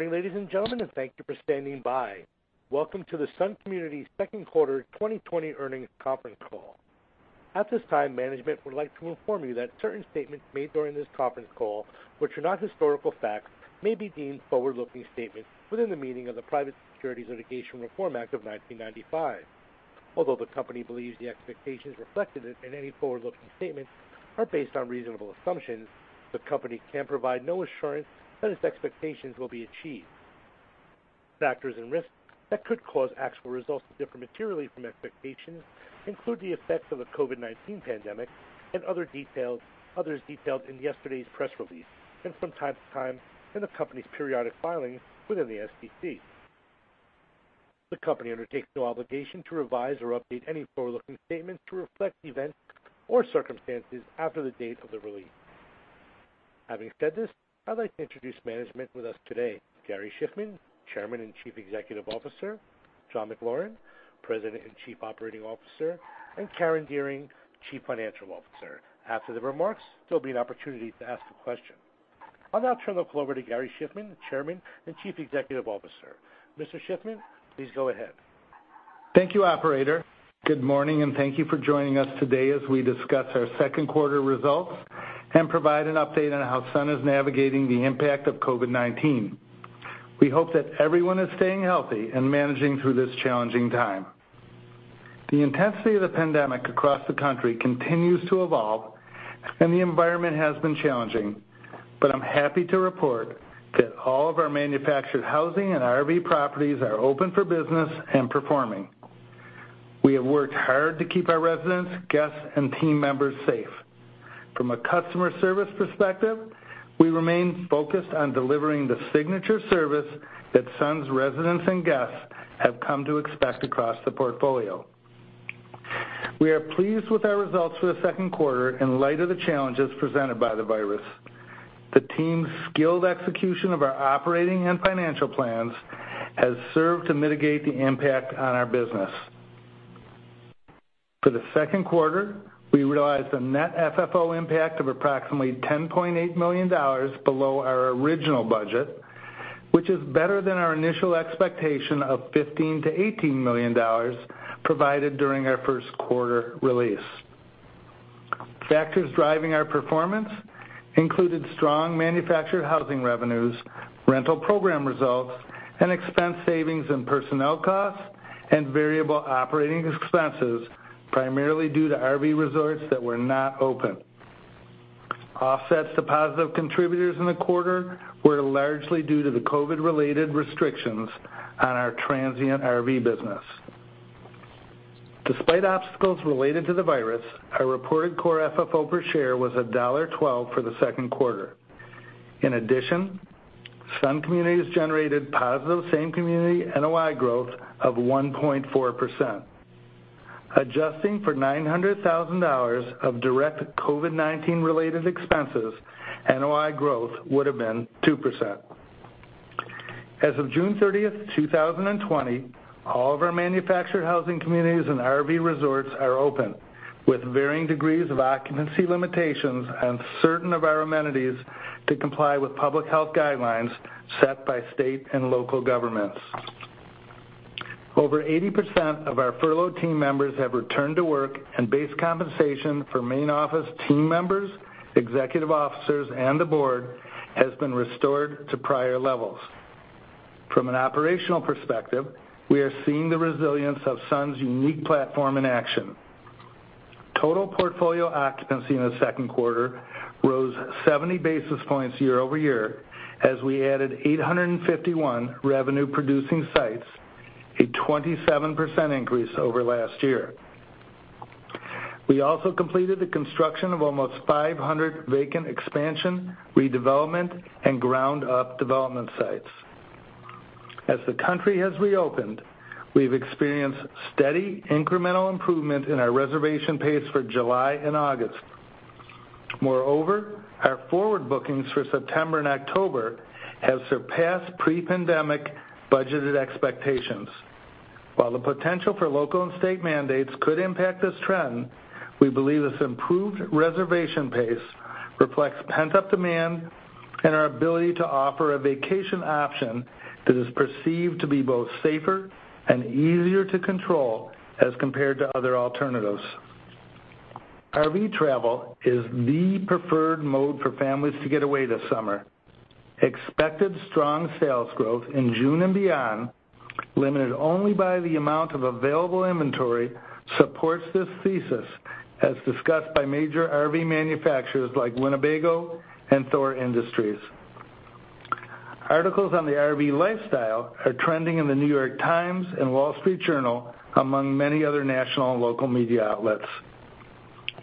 Morning, ladies and gentlemen, and thank you for standing by. Welcome to the Sun Communities second quarter 2020 earnings conference call. At this time, management would like to inform you that certain statements made during this conference call, which are not historical facts, may be deemed forward-looking statements within the meaning of the Private Securities Litigation Reform Act of 1995. Although the company believes the expectations reflected in any forward-looking statements are based on reasonable assumptions, the company can provide no assurance that its expectations will be achieved. Factors and risks that could cause actual results to differ materially from expectations include the effects of the COVID-19 pandemic and others detailed in yesterday's press release, and from time to time in the company's periodic filings within the SEC. The company undertakes no obligation to revise or update any forward-looking statements to reflect events or circumstances after the date of the release. Having said this, I'd like to introduce management with us today, Gary Shiffman, Chairman and Chief Executive Officer, John McLaren, President and Chief Operating Officer, and Karen Dearing, Chief Financial Officer. After the remarks, there'll be an opportunity to ask a question. I'll now turn the floor over to Gary Shiffman, Chairman and Chief Executive Officer. Mr. Shiffman, please go ahead. Thank you, operator. Good morning, thank you for joining us today as we discuss our second quarter results and provide an update on how Sun is navigating the impact of COVID-19. We hope that everyone is staying healthy and managing through this challenging time. The intensity of the pandemic across the country continues to evolve, and the environment has been challenging. I'm happy to report that all of our manufactured housing and RV properties are open for business and performing. We have worked hard to keep our residents, guests, and team members safe. From a customer service perspective, we remain focused on delivering the signature service that Sun's residents and guests have come to expect across the portfolio. We are pleased with our results for the second quarter in light of the challenges presented by the virus. The team's skilled execution of our operating and financial plans has served to mitigate the impact on our business. For the second quarter, we realized a net FFO impact of approximately $10.8 million below our original budget, which is better than our initial expectation of $15 million-$18 million provided during our first quarter release. Factors driving our performance included strong manufactured housing revenues, rental program results, and expense savings in personnel costs and variable operating expenses, primarily due to RV resorts that were not open. Offsets to positive contributors in the quarter were largely due to the COVID-related restrictions on our transient RV business. Despite obstacles related to the virus, our reported core FFO per share was $1.12 for the second quarter. In addition, Sun Communities generated positive same community NOI growth of 1.4%. Adjusting for $900,000 of direct COVID-19 related expenses, NOI growth would've been 2%. As of June 30th, 2020, all of our manufactured housing communities and RV resorts are open with varying degrees of occupancy limitations on certain of our amenities to comply with public health guidelines set by state and local governments. Over 80% of our furloughed team members have returned to work, and base compensation for main office team members, executive officers, and the board has been restored to prior levels. From an operational perspective, we are seeing the resilience of Sun's unique platform in action. Total portfolio occupancy in the second quarter rose 70 basis points year-over-year, as we added 851 revenue-producing sites, a 27% increase over last year. We also completed the construction of almost 500 vacant expansion, redevelopment, and ground-up development sites. As the country has reopened, we've experienced steady incremental improvement in our reservation pace for July and August. Moreover, our forward bookings for September and October have surpassed pre-pandemic budgeted expectations. While the potential for local and state mandates could impact this trend, we believe this improved reservation pace reflects pent-up demand and our ability to offer a vacation option that is perceived to be both safer and easier to control as compared to other alternatives. RV travel is the preferred mode for families to get away this summer. Expected strong sales growth in June and beyond, limited only by the amount of available inventory, supports this thesis, as discussed by major RV manufacturers like Winnebago and Thor Industries. Articles on the RV lifestyle are trending in "The New York Times" and "The Wall Street Journal," among many other national and local media outlets.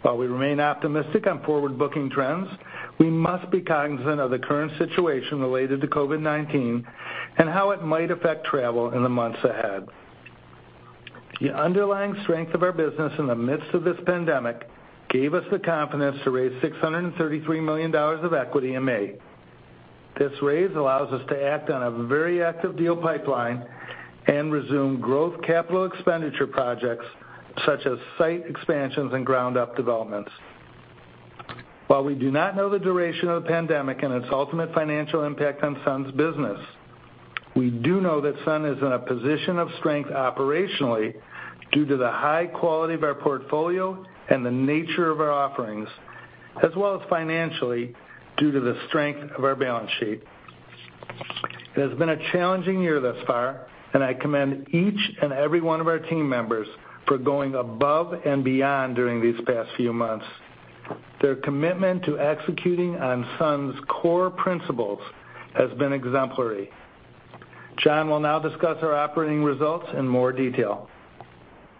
While we remain optimistic on forward-booking trends, we must be cognizant of the current situation related to COVID-19 and how it might affect travel in the months ahead. The underlying strength of our business in the midst of this pandemic gave us the confidence to raise $633 million of equity in May. This raise allows us to act on a very active deal pipeline and resume growth capital expenditure projects, such as site expansions and ground-up developments. While we do not know the duration of the pandemic and its ultimate financial impact on Sun's business, we do know that Sun is in a position of strength operationally due to the high quality of our portfolio and the nature of our offerings, as well as financially, due to the strength of our balance sheet. It has been a challenging year thus far, and I commend each and every one of our team members for going above and beyond during these past few months. Their commitment to executing on Sun's core principles has been exemplary. John will now discuss our operating results in more detail.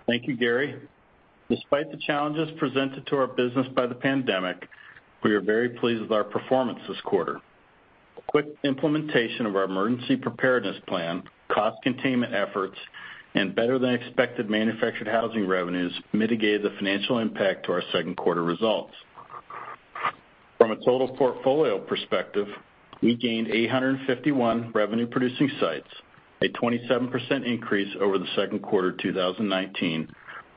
Thank you, Gary. Despite the challenges presented to our business by the pandemic, we are very pleased with our performance this quarter. Quick implementation of our emergency preparedness plan, cost containment efforts, and better than expected manufactured housing revenues mitigated the financial impact to our second quarter results. From a total portfolio perspective, we gained 851 revenue-producing sites, a 27% increase over the second quarter 2019,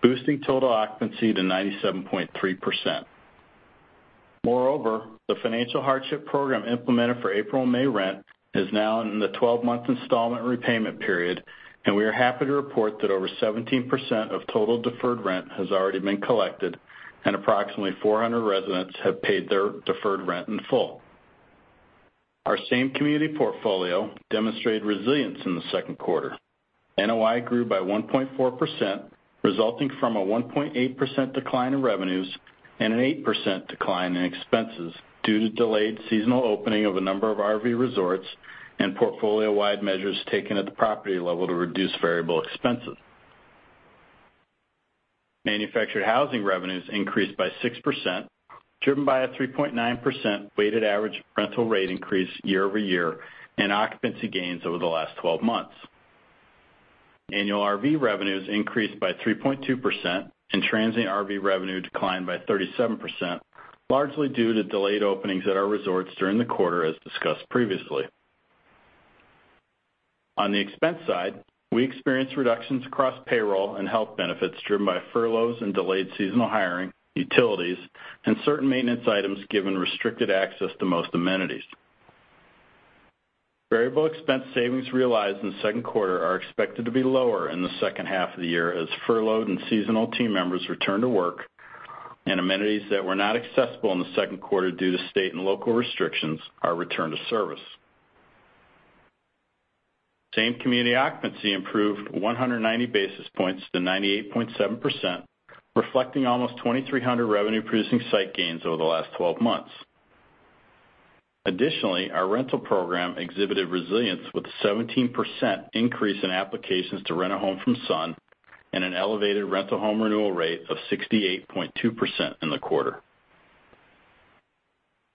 boosting total occupancy to 97.3%. Moreover, the financial hardship program implemented for April and May rent is now in the 12-month installment repayment period, and we are happy to report that over 17% of total deferred rent has already been collected, and approximately 400 residents have paid their deferred rent in full. Our same community portfolio demonstrated resilience in the second quarter. NOI grew by 1.4%, resulting from a 1.8% decline in revenues and an 8% decline in expenses due to delayed seasonal opening of a number of RV resorts and portfolio-wide measures taken at the property level to reduce variable expenses. Manufactured housing revenues increased by 6%, driven by a 3.9% weighted average rental rate increase year-over-year and occupancy gains over the last 12 months. Annual RV revenues increased by 3.2% and transient RV revenue declined by 37%, largely due to delayed openings at our resorts during the quarter, as discussed previously. On the expense side, we experienced reductions across payroll and health benefits driven by furloughs and delayed seasonal hiring, utilities, and certain maintenance items given restricted access to most amenities. Variable expense savings realized in the second quarter are expected to be lower in the second half of the year as furloughed and seasonal team members return to work, and amenities that were not accessible in the second quarter due to state and local restrictions are returned to service. Same community occupancy improved 190 basis points to 98.7%, reflecting almost 2,300 revenue-producing site gains over the last 12 months. Additionally, our rental program exhibited resilience with 17% increase in applications to rent a home from Sun and an elevated rental home renewal rate of 68.2% in the quarter.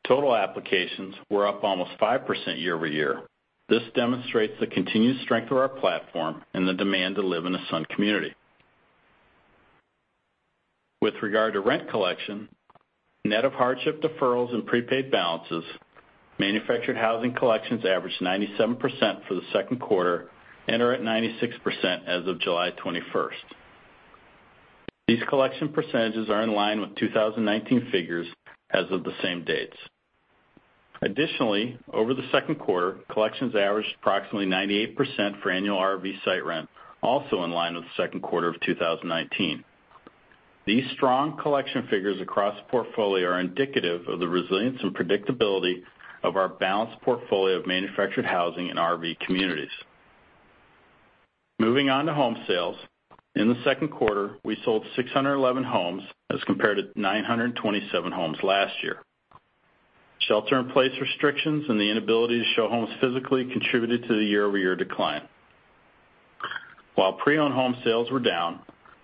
Total applications were up almost 5% year-over-year. This demonstrates the continued strength of our platform and the demand to live in a Sun community. With regard to rent collection, net of hardship deferrals and prepaid balances, manufactured housing collections averaged 97% for the second quarter and are at 96% as of July 21st. These collection percentages are in line with 2019 figures as of the same dates. Additionally, over the second quarter, collections averaged approximately 98% for annual RV site rent, also in line with the second quarter of 2019. These strong collection figures across the portfolio are indicative of the resilience and predictability of our balanced portfolio of manufactured housing and RV communities. Moving on to home sales. In the second quarter, we sold 611 homes as compared to 927 homes last year. Shelter in place restrictions and the inability to show homes physically contributed to the year-over-year decline. While pre-owned home sales were down,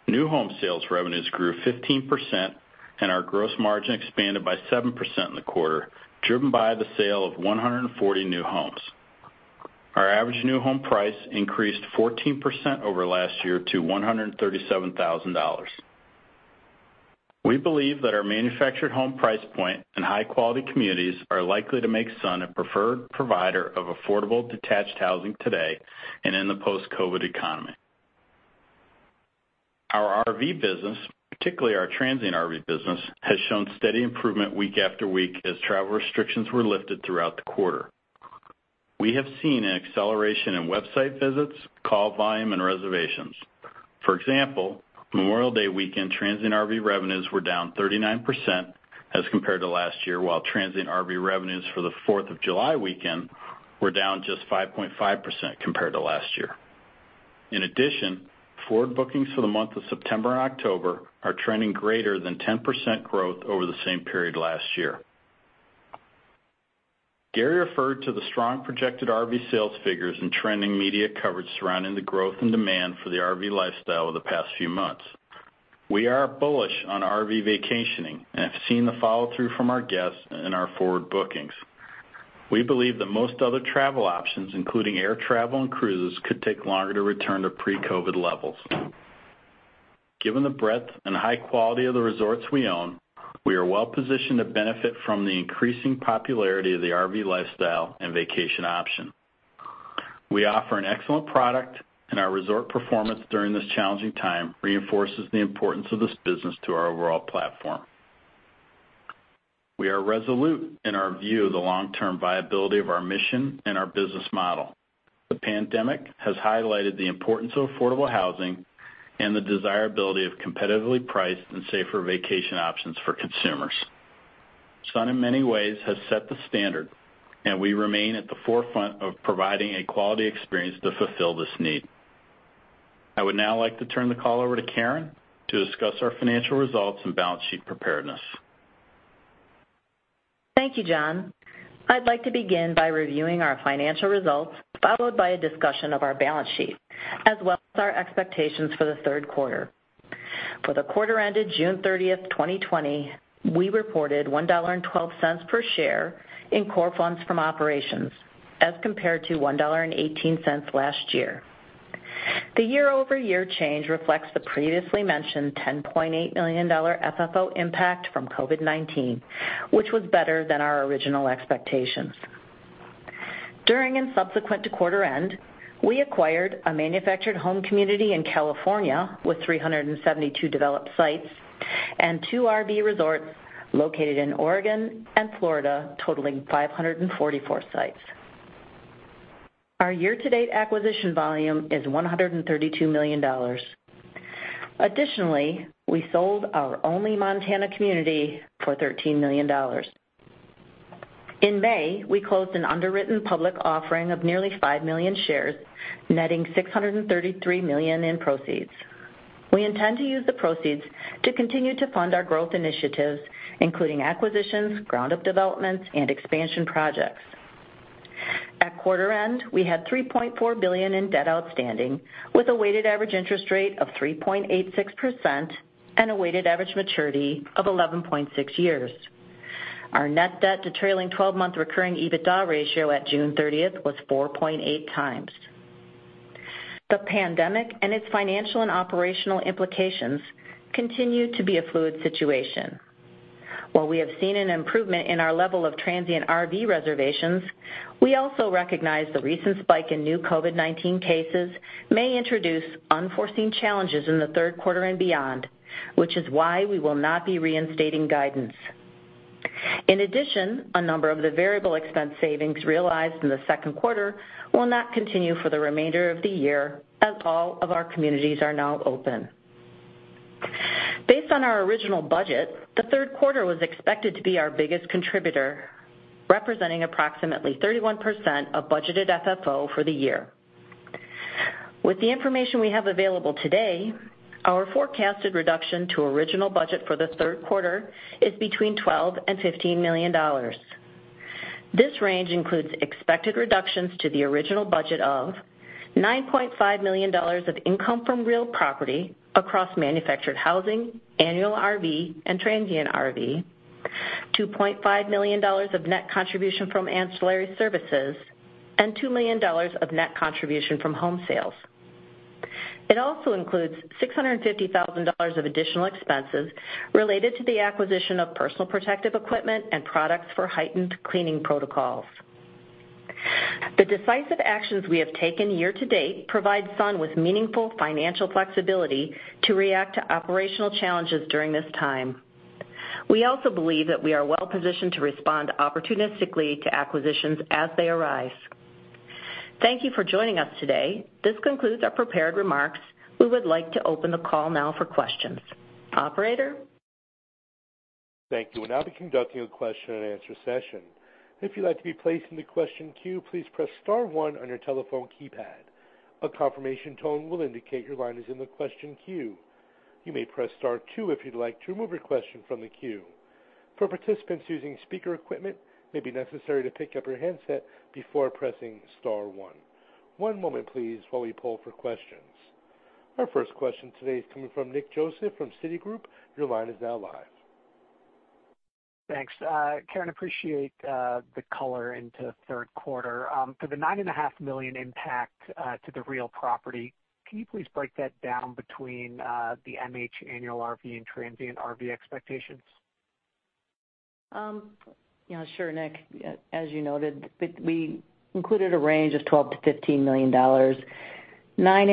new home sales revenues grew 15% and our gross margin expanded by 7% in the quarter, driven by the sale of 140 new homes. Our average new home price increased 14% over last year to $137,000. We believe that our manufactured home price point and high-quality communities are likely to make Sun a preferred provider of affordable detached housing today and in the post-COVID-19 economy. Our RV business, particularly our transient RV business, has shown steady improvement week after week as travel restrictions were lifted throughout the quarter. We have seen an acceleration in website visits, call volume, and reservations. For example, Memorial Day weekend transient RV revenues were down 39% as compared to last year, while transient RV revenues for the 4th of July weekend were down just 5.5% compared to last year. In addition, forward bookings for the month of September and October are trending greater than 10% growth over the same period last year. Gary referred to the strong projected RV sales figures and trending media coverage surrounding the growth and demand for the RV lifestyle over the past few months. We are bullish on RV vacationing and have seen the follow-through from our guests in our forward bookings. We believe that most other travel options, including air travel and cruises, could take longer to return to pre-COVID-19 levels. Given the breadth and high quality of the resorts we own, we are well positioned to benefit from the increasing popularity of the RV lifestyle and vacation option. We offer an excellent product, and our resort performance during this challenging time reinforces the importance of this business to our overall platform. We are resolute in our view of the long-term viability of our mission and our business model. The pandemic has highlighted the importance of affordable housing and the desirability of competitively priced and safer vacation options for consumers. Sun, in many ways, has set the standard, and we remain at the forefront of providing a quality experience to fulfill this need. I would now like to turn the call over to Karen to discuss our financial results and balance sheet preparedness. Thank you, John. I'd like to begin by reviewing our financial results, followed by a discussion of our balance sheet, as well as our expectations for the third quarter. For the quarter ended June 30th, 2020, we reported $1.12 per share in core funds from operations as compared to $1.18 last year. The year-over-year change reflects the previously mentioned $10.8 million FFO impact from COVID-19, which was better than our original expectations. During and subsequent to quarter end, we acquired a manufactured home community in California with 372 developed sites and two RV resorts located in Oregon and Florida, totaling 544 sites. Our year-to-date acquisition volume is $132 million. Additionally, we sold our only Montana community for $13 million. In May, we closed an underwritten public offering of nearly 5 million shares, netting $633 million in proceeds. We intend to use the proceeds to continue to fund our growth initiatives, including acquisitions, ground-up developments, and expansion projects. At quarter end, we had $3.4 billion in debt outstanding, with a weighted average interest rate of 3.86% and a weighted average maturity of 11.6 years. Our net debt to trailing 12-month recurring EBITDA ratio at June 30th was 4.8x. The pandemic and its financial and operational implications continue to be a fluid situation. While we have seen an improvement in our level of transient RV reservations, we also recognize the recent spike in new COVID-19 cases may introduce unforeseen challenges in the third quarter and beyond, which is why we will not be reinstating guidance. In addition, a number of the variable expense savings realized in the second quarter will not continue for the remainder of the year, as all of our communities are now open. Based on our original budget, the third quarter was expected to be our biggest contributor, representing approximately 31% of budgeted FFO for the year. With the information we have available today, our forecasted reduction to original budget for the third quarter is between $12 million and $15 million. This range includes expected reductions to the original budget of $9.5 million of income from real property across manufactured housing, annual RV, and transient RV, $2.5 million of net contribution from ancillary services, and $2 million of net contribution from home sales. It also includes $650,000 of additional expenses related to the acquisition of personal protective equipment and products for heightened cleaning protocols. The decisive actions we have taken year-to-date provide Sun with meaningful financial flexibility to react to operational challenges during this time. We also believe that we are well positioned to respond opportunistically to acquisitions as they arise. Thank you for joining us today. This concludes our prepared remarks. We would like to open the call now for questions. Operator? Thank you. We'll now be conducting a question and answer session. If you'd like to be placed in the question queue, please press star one on your telephone keypad. A confirmation tone will indicate your line is in the question queue. You may press star two if you'd like to remove your question from the queue. For participants using speaker equipment, it may be necessary to pick up your handset before pressing star one. One moment, please, while we poll for questions. Our first question today is coming from Nick Joseph from Citigroup. Your line is now live. Thanks. Karen, appreciate the color into third quarter. For the $9.5 million impact to the real property, can you please break that down between the MH annual RV and transient RV expectations? Sure, Nick. As you noted, we included a range of $12 million-$15 million, $9.5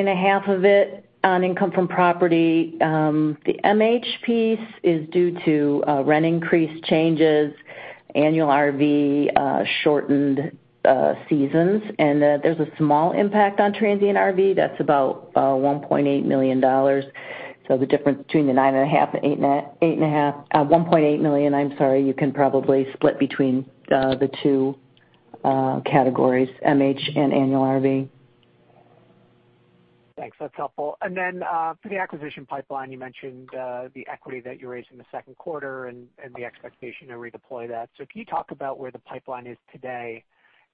million of it on income from property. The MH piece is due to rent increase changes, annual RV shortened seasons, and there's a small impact on transient RV that's about $1.8 million. The difference between the $9.5 and $8.5, $1.8 million, I'm sorry. You can probably split between the two categories, MH and annual RV. Thanks. That's helpful. Then for the acquisition pipeline, you mentioned the equity that you raised in the second quarter and the expectation to redeploy that. Can you talk about where the pipeline is today?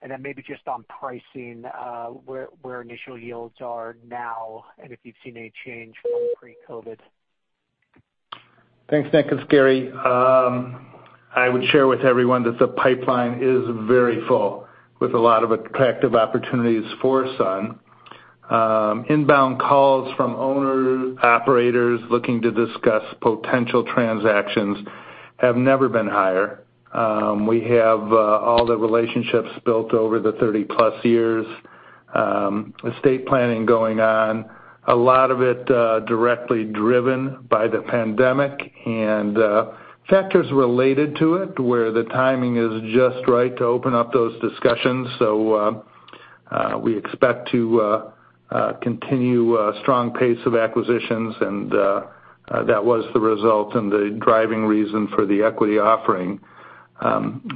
Then maybe just on pricing, where initial yields are now, and if you've seen any change from pre-COVID. Thanks, Nick and Gary. I would share with everyone that the pipeline is very full with a lot of attractive opportunities for Sun. Inbound calls from owner-operators looking to discuss potential transactions have never been higher. We have all the relationships built over the 30+ years, estate planning going on, a lot of it directly driven by the pandemic and factors related to it, where the timing is just right to open up those discussions. We expect to continue a strong pace of acquisitions, and that was the result and the driving reason for the equity offering.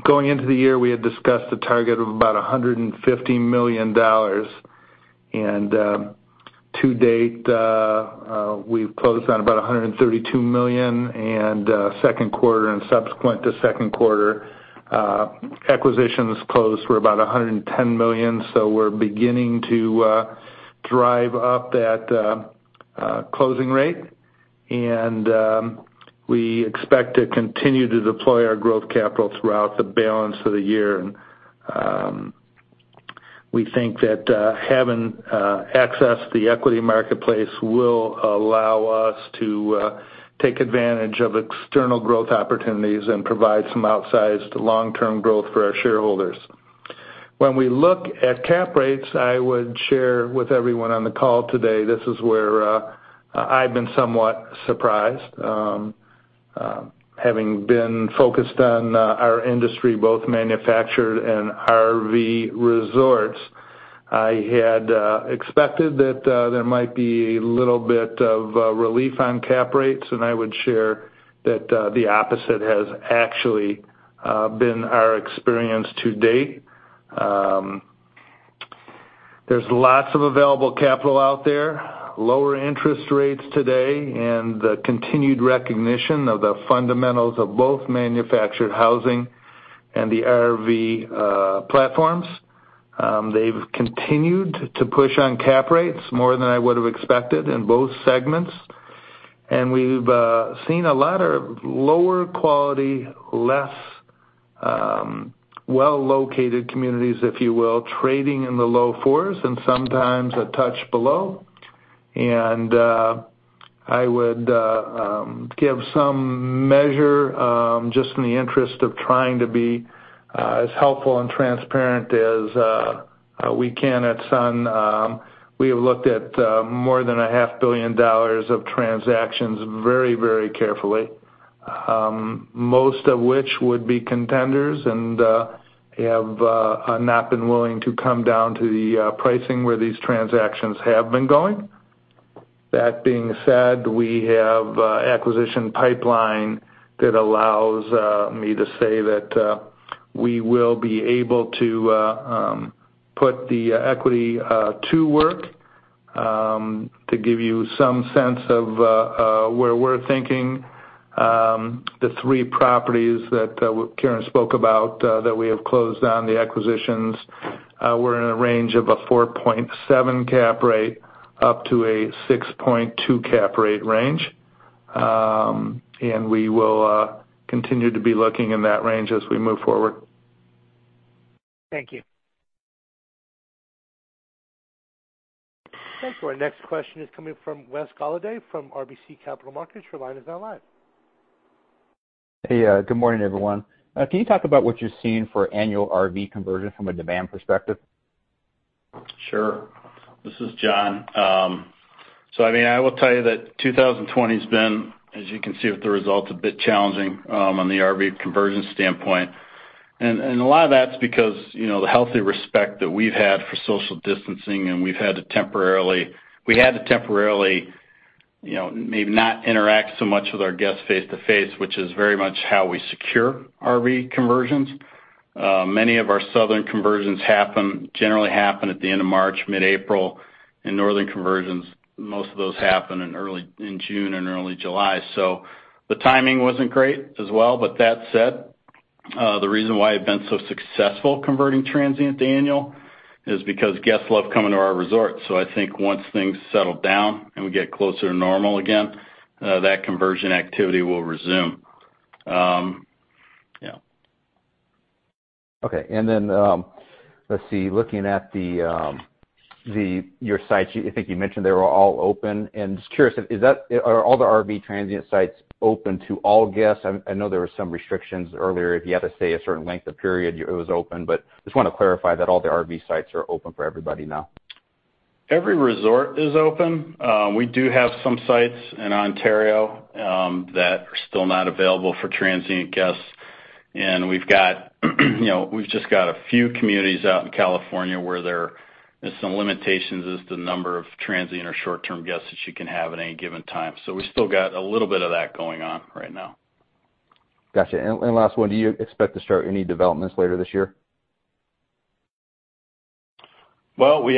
Going into the year, we had discussed a target of about $150 million. To date, we've closed on about $132 million, and second quarter and subsequent to second quarter, acquisitions closed were about $110 million. We're beginning to drive up that closing rate, and we expect to continue to deploy our growth capital throughout the balance of the year. We think that having access to the equity marketplace will allow us to take advantage of external growth opportunities and provide some outsized long-term growth for our shareholders. When we look at cap rates, I would share with everyone on the call today, this is where I've been somewhat surprised. Having been focused on our industry, both manufactured and RV resorts, I had expected that there might be a little bit of relief on cap rates, and I would share that the opposite has actually been our experience to date. There's lots of available capital out there, lower interest rates today, and the continued recognition of the fundamentals of both manufactured housing and the RV platforms. They've continued to push on cap rates more than I would've expected in both segments. We've seen a lot of lower quality, less well-located communities, if you will, trading in the low fours and sometimes a touch below. I would give some measure, just in the interest of trying to be as helpful and transparent as we can at Sun. We have looked at more than a half billion dollars of transactions very carefully. Most of which would be contenders and have not been willing to come down to the pricing where these transactions have been going. That being said, we have acquisition pipeline that allows me to say that we will be able to put the equity to work. To give you some sense of where we're thinking, the three properties that Karen spoke about that we have closed on, the acquisitions were in a range of a 4.7 cap rate up to a 6.2 cap rate range. We will continue to be looking in that range as we move forward. Thank you. Thanks. Our next question is coming from Wes Golladay from RBC Capital Markets. Your line is now live. Hey, good morning, everyone. Can you talk about what you're seeing for annual RV conversion from a demand perspective? Sure. This is John. I mean, I will tell you that 2020's been, as you can see with the results, a bit challenging on the RV conversion standpoint. A lot of that's because the healthy respect that we've had for social distancing, and we had to temporarily maybe not interact so much with our guests face-to-face, which is very much how we secure RV conversions. Many of our southern conversions generally happen at the end of March, mid-April, and northern conversions, most of those happen in June and early July. The timing wasn't great as well, but that said, the reason why we've been so successful converting transient to annual is because guests love coming to our resorts. I think once things settle down and we get closer to normal again, that conversion activity will resume. Yeah. Okay. Then, let's see, looking at your sites, I think you mentioned they were all open, and just curious, are all the RV transient sites open to all guests? I know there were some restrictions earlier. If you had to stay a certain length of period, it was open. But just want to clarify that all the RV sites are open for everybody now. Every resort is open. We do have some sites in Ontario that are still not available for transient guests. We've just got a few communities out in California where there are some limitations as to the number of transient or short-term guests that you can have at any given time. We've still got a little bit of that going on right now. Got you. Last one, do you expect to start any developments later this year? Well, in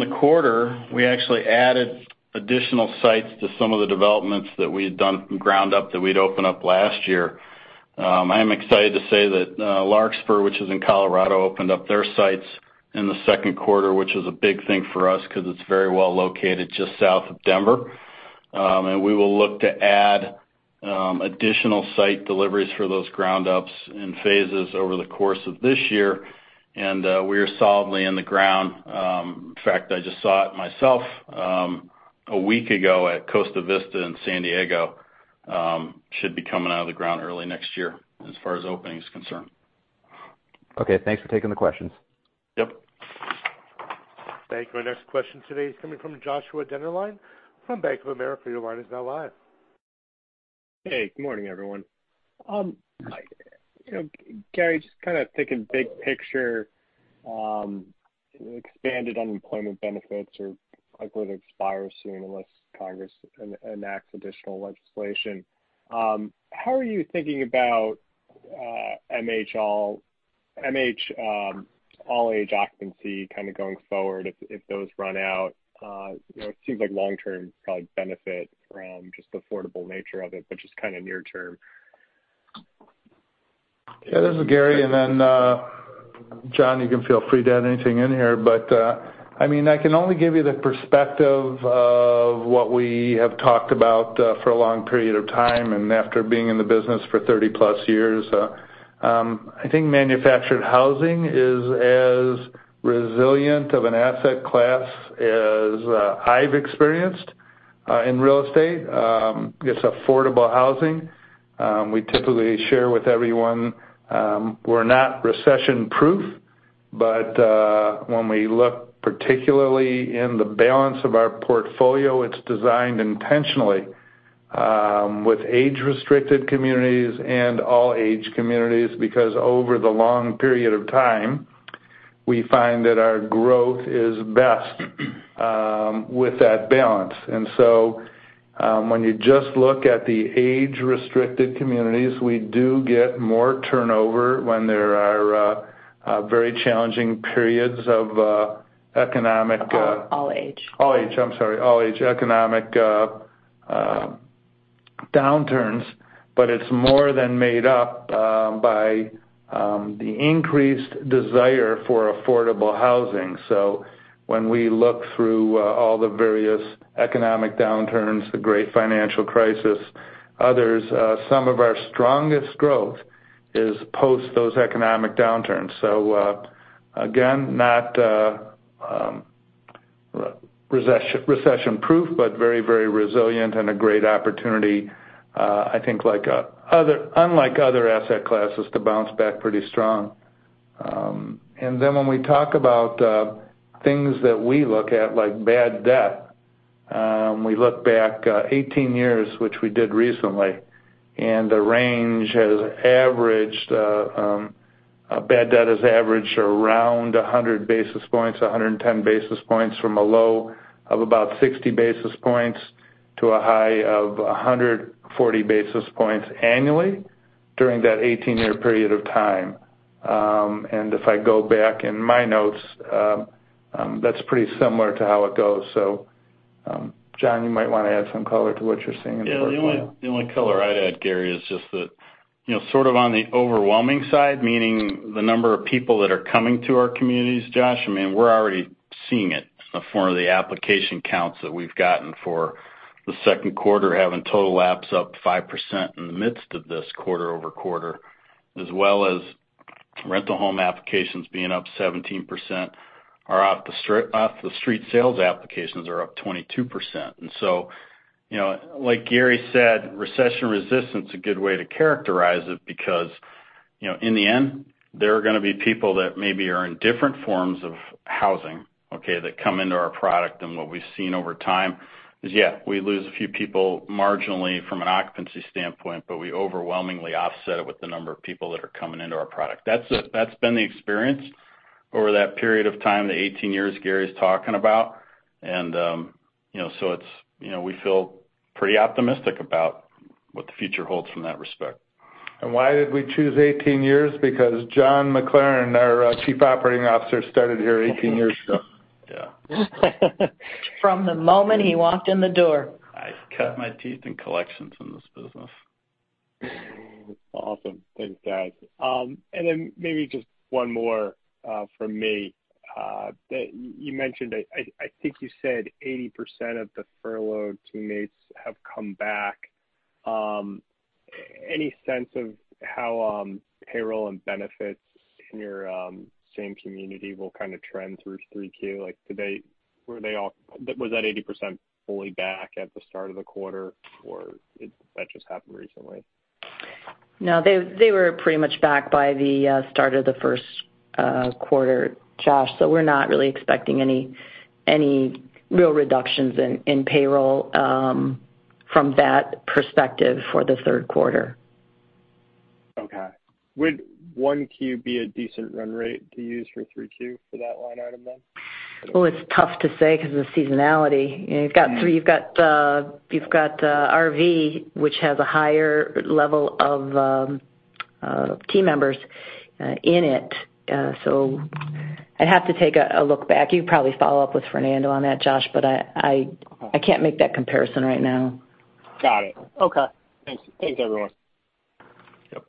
the quarter, we actually added additional sites to some of the developments that we had done from ground up that we'd opened up last year. I am excited to say that Larkspur, which is in Colorado, opened up their sites in the second quarter, which is a big thing for us because it's very well located just south of Denver. We will look to add additional site deliveries for those ground ups in phases over the course of this year. We are solidly in the ground. In fact, I just saw it myself, a week ago at Costa Vista in San Diego. Should be coming out of the ground early next year as far as opening is concerned. Okay. Thanks for taking the questions. Yep. Thank you. Our next question today is coming from Joshua Dennerline from Bank of America. Your line is now live. Hey, good morning, everyone. Gary, just kind of taking big picture, expanded unemployment benefits are likely to expire soon unless Congress enacts additional legislation. How are you thinking about MH all age occupancy kind of going forward if those run out? It seems like long term probably benefit from just the affordable nature of it, but just kind of near term. Yeah. This is Gary, and then, John, you can feel free to add anything in here, but I can only give you the perspective of what we have talked about for a long period of time and after being in the business for 30+ years. I think manufactured housing is as resilient of an asset class as I've experienced in real estate. It's affordable housing. We typically share with everyone, we're not recession-proof, but when we look particularly in the balance of our portfolio, it's designed intentionally with age-restricted communities and all-age communities, because over the long period of time, we find that our growth is best with that balance. When you just look at the age-restricted communities, we do get more turnover when there are very challenging periods of economic- All age All-age economic downturns. It's more than made up by the increased desire for affordable housing. When we look through all the various economic downturns, the great financial crisis, others, some of our strongest growth is post those economic downturns. Again, not recession-proof, but very resilient and a great opportunity, I think, unlike other asset classes, to bounce back pretty strong. When we talk about things that we look at, like bad debt, we look back 18 years, which we did recently, the range has averaged-- bad debt has averaged around 100 basis points-110 basis points from a low of about 60 basis points to a high of 140 basis points annually during that 18-year period of time. If I go back in my notes, that's pretty similar to how it goes. John, you might want to add some color to what you're seeing in the portfolio. Yeah, the only color I'd add, Gary, is just that sort of on the overwhelming side, meaning the number of people that are coming to our communities, Josh, we're already seeing it in the form of the application counts that we've gotten for the second quarter, having total lapse up 5% in the midst of this quarter-over-quarter, as well as rental home applications being up 17%, our off-the-street sales applications are up 22%. Like Gary said, recession resistance a good way to characterize it because, in the end, there are going to be people that maybe are in different forms of housing, okay, that come into our product. What we've seen over time is, yeah, we lose a few people marginally from an occupancy standpoint, but we overwhelmingly offset it with the number of people that are coming into our product. That's been the experience over that period of time, the 18 years Gary's talking about. We feel pretty optimistic about what the future holds from that respect. Why did we choose 18 years? Because John McLaren, our Chief Operating Officer, started here 18 years ago. Yeah. From the moment he walked in the door. I cut my teeth in collections in this business. Awesome. Thanks, guys. Maybe just one more from me. You mentioned, I think you said 80% of the furloughed teammates have come back. Any sense of how payroll and benefits in your same community will kind of trend through 3Q? Was that 80% fully back at the start of the quarter, or that just happened recently? No, they were pretty much back by the start of the first quarter, Josh. We're not really expecting any real reductions in payroll from that perspective for the third quarter. Okay. Would 1Q be a decent run rate to use for 3Q for that line item, then? Well, it's tough to say because of the seasonality. You've got RV, which has a higher level of team members in it. I'd have to take a look back. You can probably follow up with Fernando on that, Josh, but I can't make that comparison right now. Got it. Okay. Thanks. Thanks, everyone. Yep.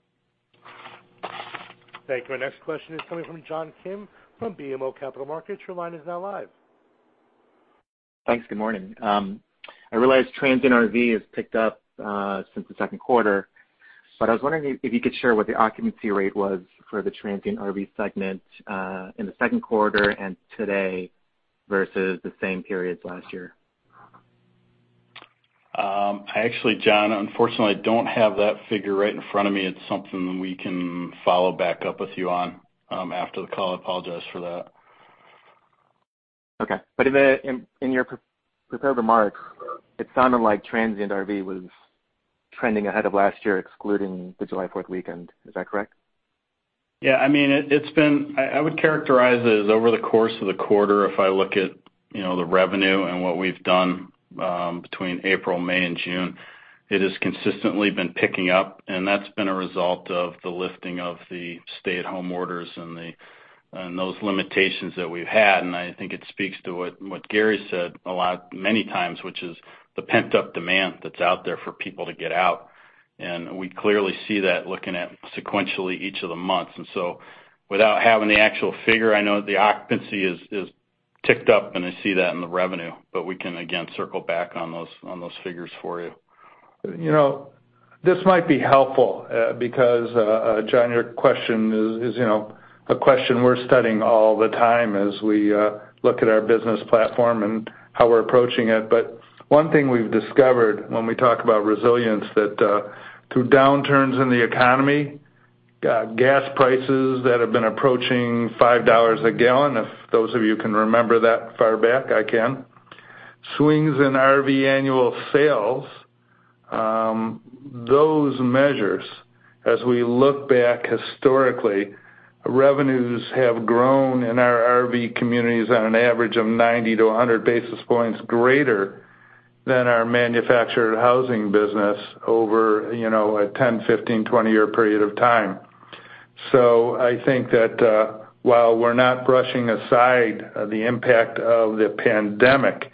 Thank you. Our next question is coming from John Kim from BMO Capital Markets. Your line is now live. Thanks. Good morning. I realize transient RV has picked up, since the second quarter, I was wondering if you could share what the occupancy rate was for the transient RV segment, in the second quarter and today versus the same periods last year. Actually, John, unfortunately, I don't have that figure right in front of me. It's something we can follow back up with you on, after the call. I apologize for that. Okay. In your prepared remarks, it sounded like transient RV was trending ahead of last year, excluding the July 4th weekend. Is that correct? Yeah. I would characterize it as over the course of the quarter, if I look at the revenue and what we've done between April, May and June, it has consistently been picking up, and that's been a result of the lifting of the stay-at-home orders and those limitations that we've had. I think it speaks to what Gary said many times, which is the pent-up demand that's out there for people to get out. We clearly see that looking at sequentially each of the months. Without having the actual figure, I know the occupancy is ticked up, and I see that in the revenue. We can, again, circle back on those figures for you. This might be helpful, because, John, your question is a question we're studying all the time as we look at our business platform and how we're approaching it. One thing we've discovered when we talk about resilience, that through downturns in the economy, gas prices that have been approaching $5 a gallon, if those of you can remember that far back, I can. Swings in RV annual sales, those measures, as we look back historically, revenues have grown in our RV communities on an average of 90-100 basis points greater than our manufactured housing business over a 10, 15, 20 year period of time. I think that, while we're not brushing aside the impact of the pandemic,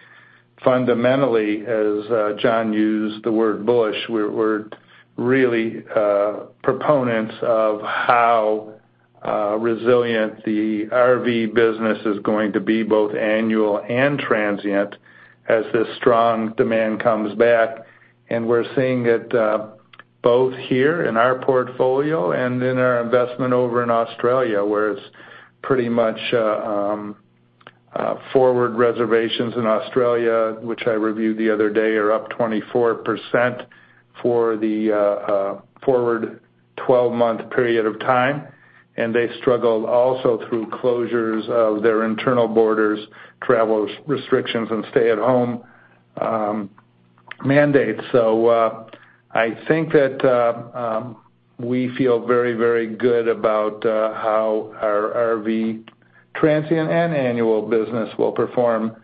fundamentally, as John used the word bullish, we're really proponents of how resilient the RV business is going to be, both annual and transient, as this strong demand comes back. We're seeing it both here in our portfolio and in our investment over in Australia, where it's pretty much forward reservations in Australia, which I reviewed the other day, are up 24% for the forward 12-month period of time. They struggled also through closures of their internal borders, travel restrictions, and stay-at-home mandates. I think that we feel very good about how our RV transient and annual business will perform,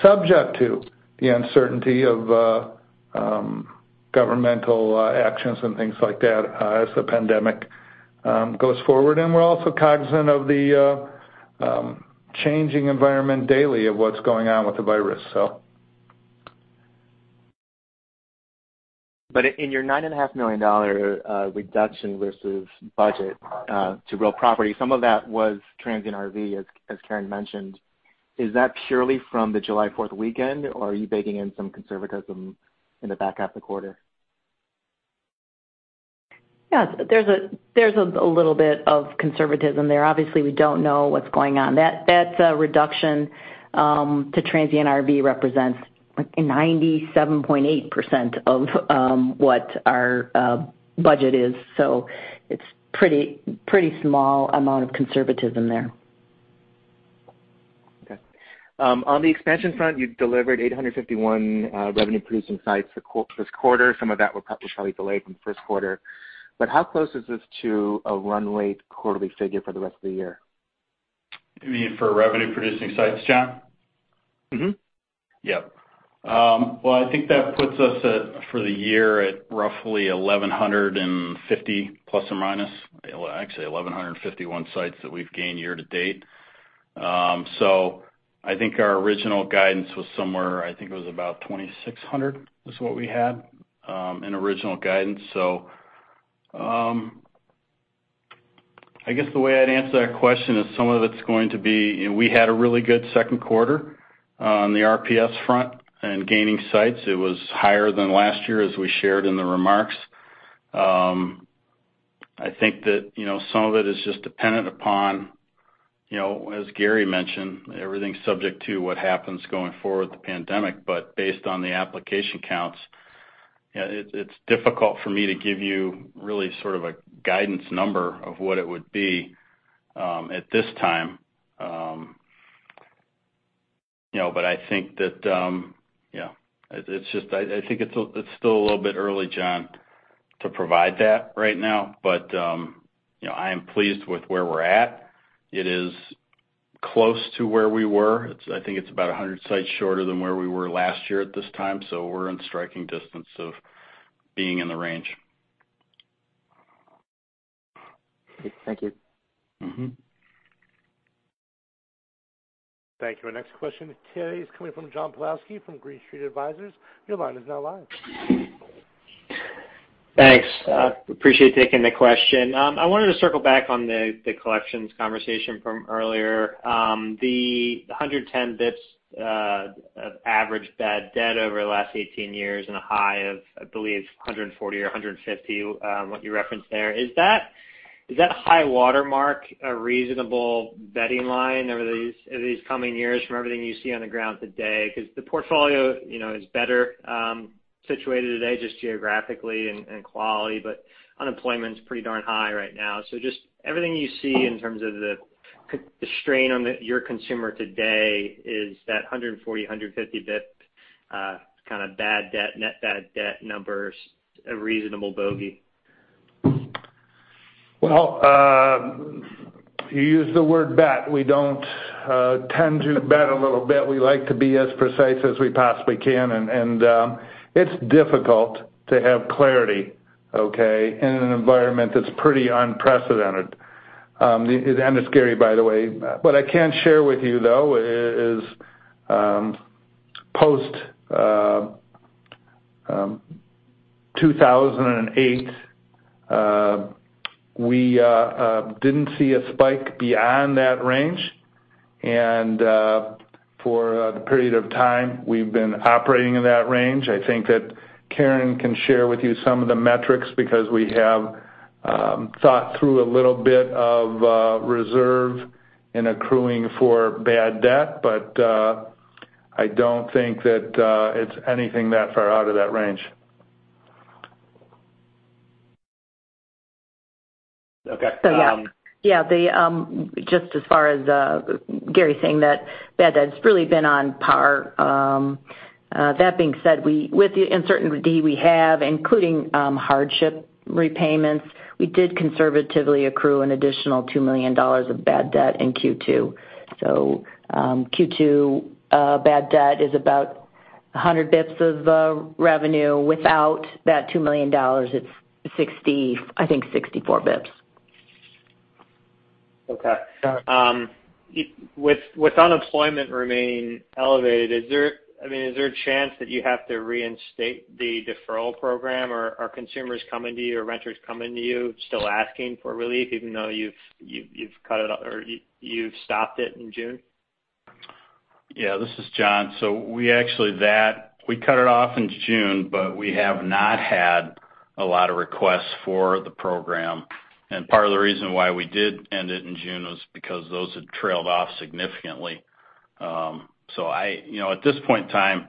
subject to the uncertainty of governmental actions and things like that as the pandemic goes forward. We're also cognizant of the changing environment daily of what's going on with the virus. In your $9.5 million reduction versus budget to real property, some of that was transient RV, as Karen mentioned. Is that purely from the July 4th weekend, or are you baking in some conservatism in the back half the quarter? Yeah, there's a little bit of conservatism there. Obviously, we don't know what's going on. That reduction to transient RV represents 97.8% of what our budget is. It's pretty small amount of conservatism there. Okay. On the expansion front, you delivered 851 revenue-producing sites this quarter. Some of that was probably delayed from the first quarter. How close is this to a run rate quarterly figure for the rest of the year? You mean for revenue-producing sites, John? Yep. Well, I think that puts us for the year at roughly 1,150± actually 1,151 sites that we've gained year to date. I think our original guidance was somewhere, I think it was about 2,600 was what we had in original guidance. I guess the way I'd answer that question is some of it's going to be we had a really good second quarter on the RPS front and gaining sites. It was higher than last year, as we shared in the remarks. I think that some of it is just dependent upon, as Gary mentioned, everything's subject to what happens going forward with the pandemic. Based on the application counts, it's difficult for me to give you really sort of a guidance number of what it would be at this time. I think it's still a little bit early, John, to provide that right now. I am pleased with where we're at. It is close to where we were. I think it's about 100 sites shorter than where we were last year at this time, so we're in striking distance of being in the range. Thank you. Thank you. Our next question today is coming from John Pawlowski from Green Street Advisors. Your line is now live. Thanks. Appreciate taking the question. I wanted to circle back on the collections conversation from earlier. The 110 basis points of average bad debt over the last 18 years and a high of, I believe, 140 or 150, what you referenced there. Is that high watermark a reasonable betting line over these coming years from everything you see on the ground today? The portfolio is better situated today just geographically and in quality, but unemployment's pretty darn high right now. Just everything you see in terms of the strain on your consumer today, is that 140, 150 basis points kind of bad debt, net bad debt numbers, a reasonable bogey? You used the word bet. We don't tend to bet a little bit. We like to be as precise as we possibly can. It's difficult to have clarity, okay, in an environment that's pretty unprecedented. It's scary, by the way. What I can share with you though, is post-2008, we didn't see a spike beyond that range. For the period of time we've been operating in that range, I think that Karen can share with you some of the metrics because we have thought through a little bit of reserve and accruing for bad debt. I don't think that it's anything that far out of that range. Okay. Yeah. Just as far as Gary saying that bad debt's really been on par. That being said, with the uncertainty we have, including hardship repayments, we did conservatively accrue an additional $2 million of bad debt in Q2. Q2 bad debt is about 100 basis points of revenue. Without that $2 million, it's I think 64 basis points. Okay. With unemployment remaining elevated, is there a chance that you have to reinstate the deferral program, or are consumers coming to you or renters coming to you still asking for relief even though you've stopped it in June? Yeah, this is John. We cut it off in June, but we have not had a lot of requests for the program. Part of the reason why we did end it in June was because those had trailed off significantly. At this point in time,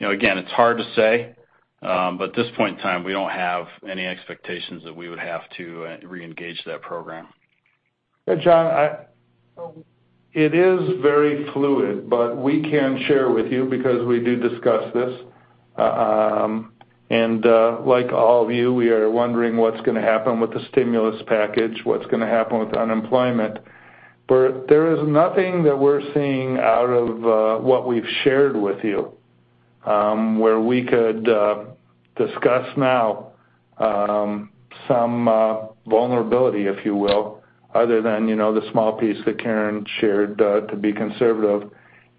again, it's hard to say. At this point in time, we don't have any expectations that we would have to reengage that program. Yeah, John, it is very fluid, but we can share with you because we do discuss this. Like all of you, we are wondering what's going to happen with the stimulus package, what's going to happen with unemployment. There is nothing that we're seeing out of what we've shared with you, where we could discuss now some vulnerability, if you will, other than the small piece that Karen shared to be conservative.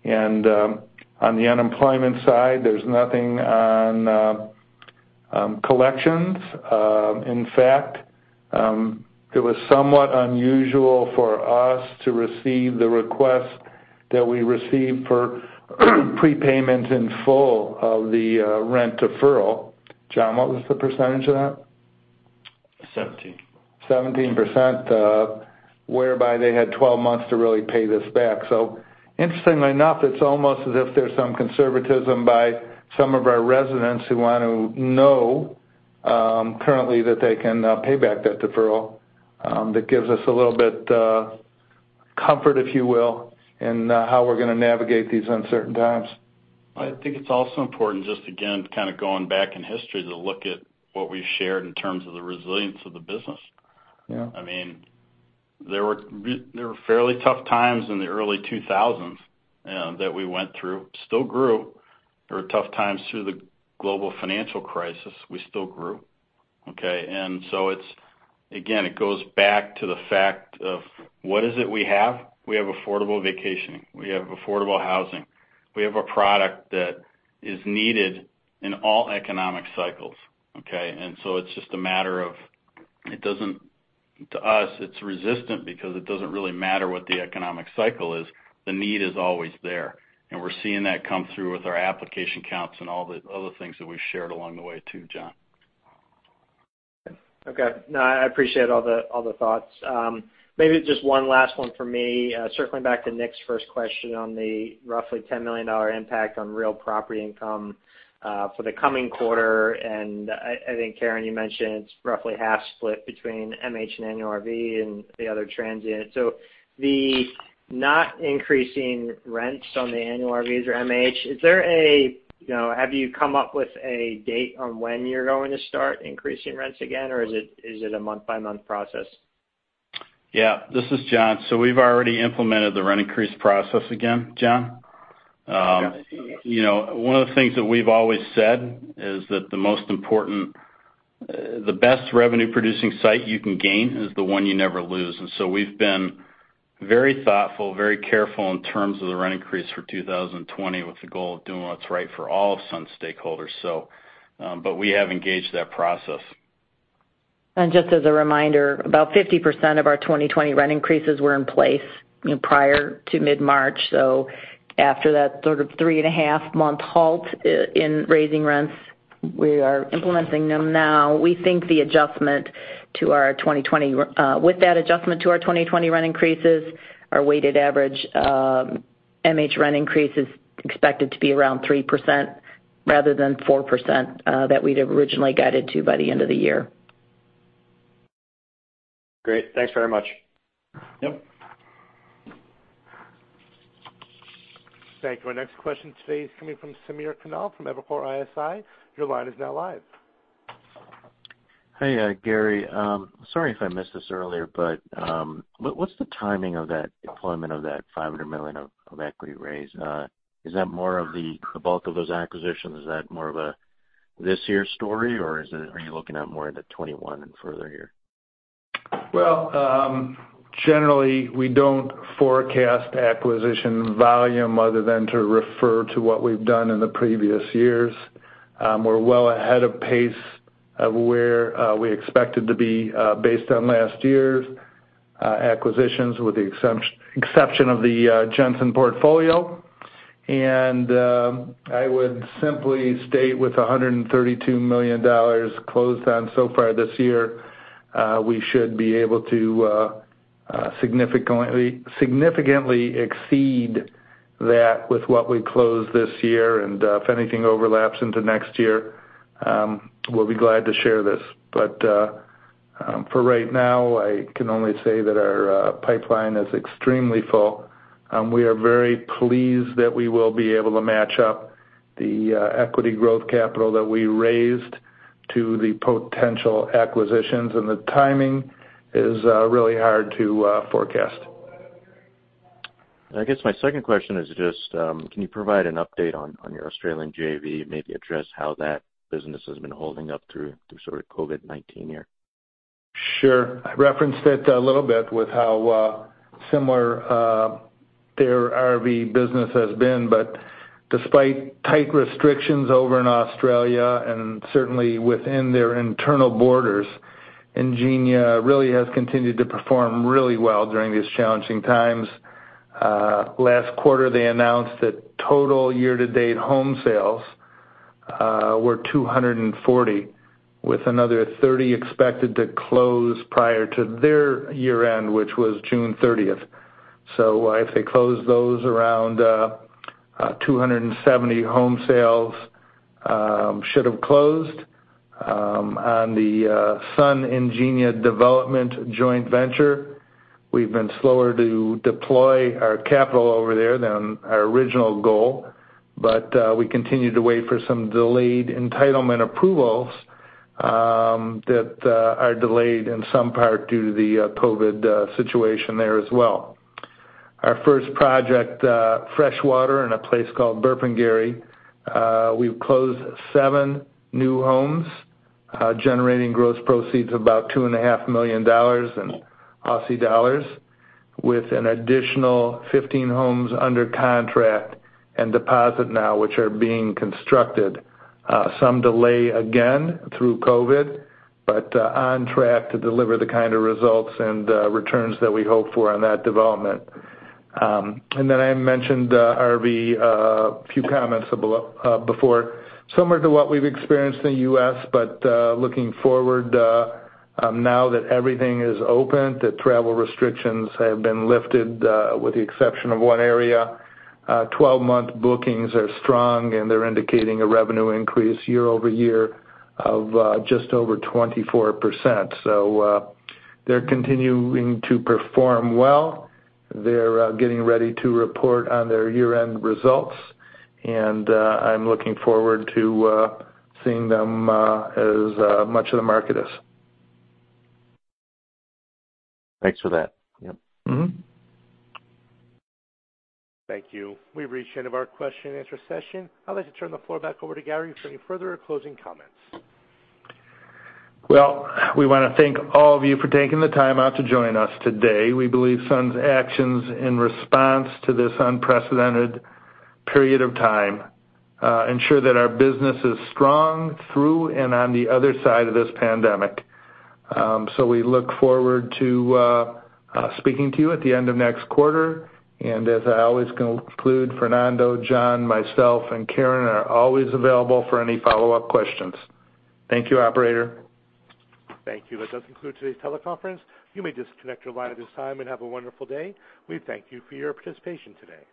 On the unemployment side, there's nothing on collections. In fact, it was somewhat unusual for us to receive the request that we received for prepayment in full of the rent deferral. John, what was the percentage of that? 17%. 17%, whereby they had 12 months to really pay this back. Interestingly enough, it's almost as if there's some conservatism by some of our residents who want to know currently that they can pay back that deferral. That gives us a little bit comfort, if you will, in how we're going to navigate these uncertain times. I think it's also important just again, kind of going back in history to look at what we've shared in terms of the resilience of the business. Yeah. There were fairly tough times in the early 2000s that we went through. Still grew. There were tough times through the global financial crisis. We still grew. Okay? Again, it goes back to the fact of what is it we have? We have affordable vacationing. We have affordable housing. We have a product that is needed in all economic cycles. Okay? It's just a matter of, to us, it's resistant because it doesn't really matter what the economic cycle is. The need is always there. We're seeing that come through with our application counts and all the other things that we've shared along the way too, John. Okay. No, I appreciate all the thoughts. Maybe just one last one for me. Circling back to Nick's first question on the roughly $10 million impact on real property income for the coming quarter. I think, Karen, you mentioned it's roughly half split between MH and annual RV and the other transient. The not increasing rents on the annual RVs or MH, have you come up with a date on when you're going to start increasing rents again, or is it a month-by-month process? Yeah. This is John. We've already implemented the rent increase process again, John. One of the things that we've always said is that the most important. The best revenue-producing site you can gain is the one you never lose. We've been very thoughtful, very careful in terms of the rent increase for 2020 with the goal of doing what's right for all of Sun stakeholders. We have engaged that process. Just as a reminder, about 50% of our 2020 rent increases were in place prior to mid-March. After that sort of 3.5 month halt in raising rents, we are implementing them now. With that adjustment to our 2020 rent increases, our weighted average MH rent increase is expected to be around 3% rather than 4% that we'd originally guided to by the end of the year. Great. Thanks very much. Yep. Thank you. Our next question today is coming from Sameer Kanal from Evercore ISI. Your line is now live. Hey, Gary. Sorry if I missed this earlier, what's the timing of that deployment of that $500 million of equity raise? Is that more of the bulk of those acquisitions? Is that more of a this year story, or are you looking at more of the 2021 and further year? Well, generally, we don't forecast acquisition volume other than to refer to what we've done in the previous years. We're well ahead of pace of where we expected to be based on last year's acquisitions, with the exception of the Jensen's portfolio. I would simply state with $132 million closed on so far this year, we should be able to significantly exceed that with what we close this year. If anything overlaps into next year, we'll be glad to share this. For right now, I can only say that our pipeline is extremely full. We are very pleased that we will be able to match up the equity growth capital that we raised to the potential acquisitions, the timing is really hard to forecast. I guess my second question is just, can you provide an update on your Australian JV and maybe address how that business has been holding up through sort of COVID-19 year? Sure. I referenced it a little bit with how similar their RV business has been. Despite tight restrictions over in Australia and certainly within their internal borders, Ingenia really has continued to perform really well during these challenging times. Last quarter, they announced that total year-to-date home sales were 240, with another 30 expected to close prior to their year-end, which was June 30th. If they close those around 270 home sales should have closed. On the Sungenia development joint venture, we've been slower to deploy our capital over there than our original goal, but we continue to wait for some delayed entitlement approvals that are delayed in some part due to the COVID situation there as well. Our first project, Freshwater, in a place called Burpengary, we've closed seven new homes, generating gross proceeds of about 2.5 million dollars, with an additional 15 homes under contract and deposit now, which are being constructed. Some delay again through COVID, but on track to deliver the kind of results and returns that we hope for on that development. I mentioned RV a few comments before. Similar to what we've experienced in the U.S., but looking forward now that everything is open, that travel restrictions have been lifted with the exception of one area. 12-month bookings are strong, and they're indicating a revenue increase year-over-year of just over 24%. They're continuing to perform well. They're getting ready to report on their year-end results, and I'm looking forward to seeing them as much of the market is. Thanks for that. Yep. Thank you. We've reached the end of our question and answer session. I'd like to turn the floor back over to Gary for any further or closing comments. We want to thank all of you for taking the time out to join us today. We believe Sun's actions in response to this unprecedented period of time ensure that our business is strong through and on the other side of this pandemic. We look forward to speaking to you at the end of next quarter. As I always conclude, Fernando, John, myself, and Karen are always available for any follow-up questions. Thank you, operator. Thank you. That does conclude today's teleconference. You may disconnect your line at this time and have a wonderful day. We thank you for your participation today.